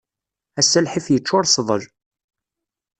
Ass-a lḥif yeččur sḍel.